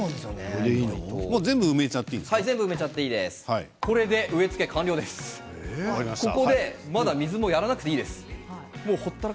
全部埋めてしまっていいんですか？